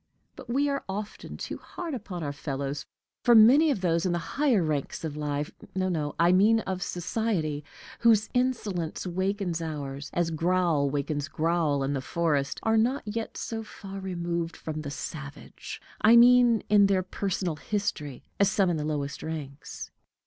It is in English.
But we are often too hard upon our fellows; for many of those in the higher ranks of life no, no, I mean of society whose insolence wakens ours, as growl wakes growl in the forest, are not yet so far removed from the savage I mean in their personal history as some in the lowest ranks.